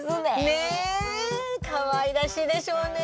ねえかわいらしいでしょうね。